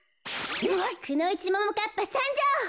くのいちももかっぱさんじょう！